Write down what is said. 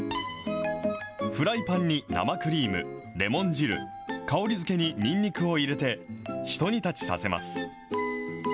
フライパンに生クリーム、レモン汁、香り付けににんにくを入れて、ひと煮立ちさせます。